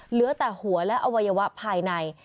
เหลือแต่หัวและอวัยวะภายใน